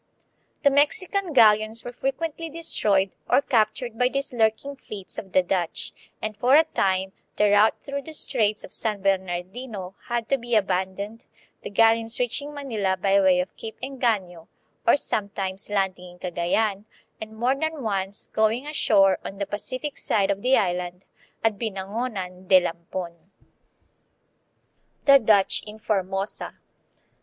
1 The Mexican galleons were frequently destroyed or cap tured by these lurking fleets of the Dutch, and for a time the route through the Straits of San Bernardino had to be abandoned, the galleons reaching Manila by way of Cape Engano, or sometimes landing in Cagayan, and more than once going ashore on the Pacific side of the island, at Binangonan de Lampon. The Dutch in Formosa.